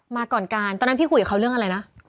มาก่อนการตอนนั้นพี่คุยกับเขาเรื่องอะไรนะ